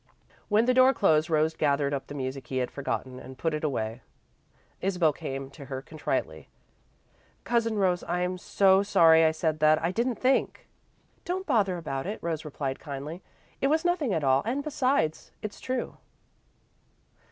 When the door closed, Rose gathered up the music he had forgotten, and put it away. Isabel came to her contritely. "Cousin Rose, I'm so sorry I said that! I didn't think!" "Don't bother about it," Rose replied, kindly. "It was nothing at all, and, besides, it's true."